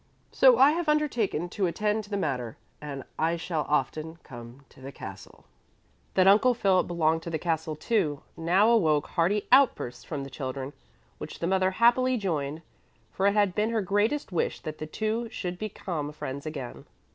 "So I have undertaken to attend to the matter and I shall often come to the castle." That Uncle Philip belonged to the castle, too, now awoke hearty outbursts from the children, which the mother happily joined, for it had been her greatest wish that the two should become friends again.